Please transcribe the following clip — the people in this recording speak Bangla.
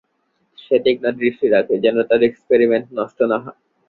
সে তীক্ষ্ণ দৃষ্টি রাখে, যেন তার এক্সপেরিমেন্ট নষ্ট না হয়।